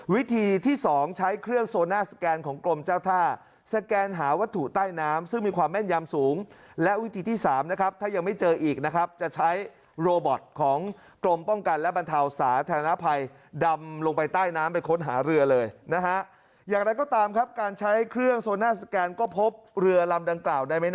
วิธีที่๒ใช้เครื่องโซน่าสแกนของกรมเจ้าท่าสแกนหาวัตถุใต้น้ำซึ่งมีความแม่นยำสูงและวิธีที่๓นะครับถ้ายังไม่เจออีกนะครับจะใช้โรบอตของกรมป้องกันและบรรเทาสาธารณภัยดำลงไปใต้น้ำไปค้นหาเรือเลยนะฮะอย่างไรก็ตามครับการใช้เครื่องโซน่าสแกนก็พบเรือลำ